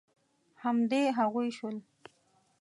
همدې هغوی شول.